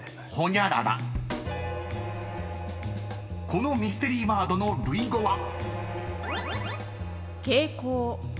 ［このミステリーワードの類語は］